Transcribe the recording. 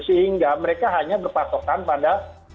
sehingga mereka hanya berpatokan pada